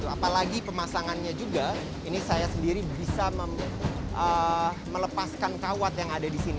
apalagi pemasangannya juga ini saya sendiri bisa melepaskan kawat yang ada di sini